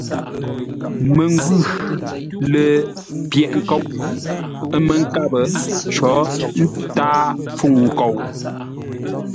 Məngwʉ̂ lə̂ pyə̂ghʼ ńkóʼ, ə́ mə́ nkáp; có tǎa pfûŋ nkou.